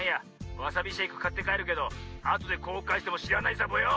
わさびシェイクかってかえるけどあとでこうかいしてもしらないサボよ。